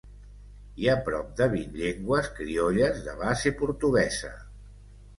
Hi ha prop de vint llengües criolles de base portuguesa.